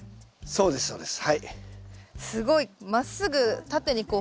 そうですそうです。